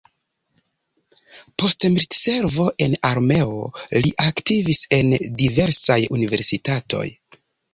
Post militservo en armeo, li aktivis en diversaj universitatoj.